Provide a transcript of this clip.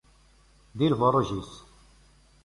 Di lebṛuǧ-is.